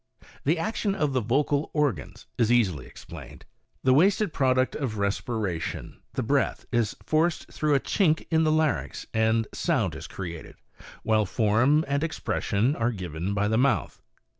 The action of the vocal organs is easily explained. The wasted product of respiration, the breath, is forced through a chink in the larynx and sound is created, while form and ex pression are given by the mouth.